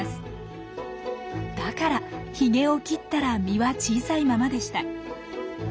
だからヒゲを切ったら実は小さいままでした。